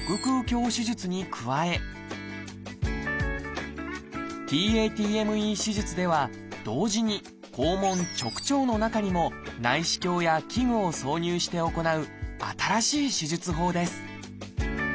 手術に加えＴａＴＭＥ手術では同時に肛門直腸の中にも内視鏡や器具を挿入して行う新しい手術法です。